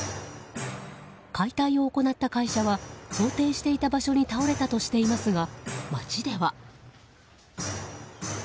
解体を行った会社は想定していた場所に倒れたとしていますが、街では。